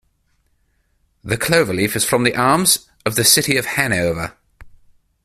The cloverleaf is from the arms of the City of Hanover.